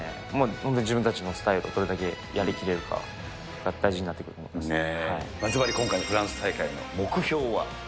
本当に自分たちのスタイルをどれだけやりきれるかが大事になってずばり、今回のフランス大会、目標は。